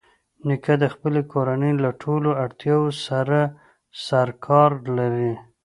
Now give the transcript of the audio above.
نیکه د خپلې کورنۍ له ټولو اړتیاوو سره سرکار لري.